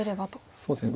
そうですね。